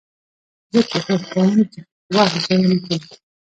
زه کوښښ کوم، چي وخت ضایع نه کړم.